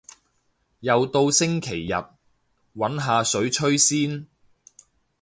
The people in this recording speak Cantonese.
又到星期日，搵下水吹先